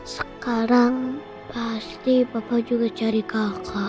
sekarang pasti bapak juga cari kakak